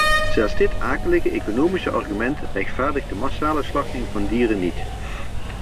Zelfs dit akelige economische argument rechtvaardigt de massale slachting van dieren niet.